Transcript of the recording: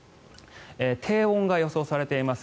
低温が予想されています。